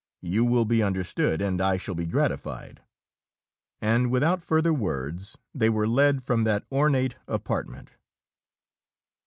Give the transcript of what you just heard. You will be understood, and I shall be gratified." And without further words, they were led from that ornate apartment.